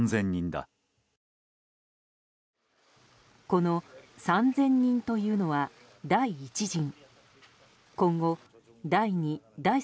この３０００人というのは第１陣。